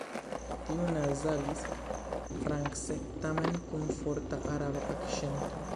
Tiu nazalis France tamen kun forta Araba akĉento.